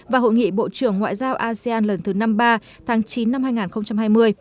và hội nghị bộ trưởng ngoại giao asean lần thứ năm mươi ba tháng chín năm hai nghìn hai mươi